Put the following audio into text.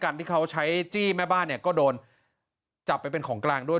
ที่เขาใช้จี้แม่บ้านเนี่ยก็โดนจับไปเป็นของกลางด้วย